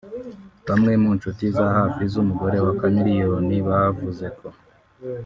Bamwe mu nshuti za hafi z’umugore wa Chameleone bavuze ko